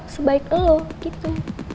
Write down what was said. sebaik elo gitu